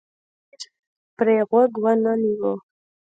امیر پرې غوږ ونه نیوی.